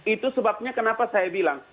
itu sebabnya kenapa saya bilang